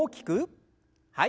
はい。